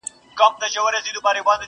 o د گونگى په ژبه خپله مور ښه پوهېږي٫